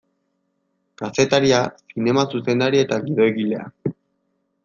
Kazetaria, zinema zuzendaria eta gidoigilea.